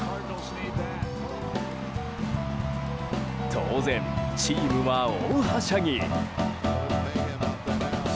当然、チームは大はしゃぎ。